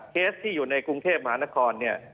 เคสที่อยู่ในกรุงเทพมหานครเนี่ย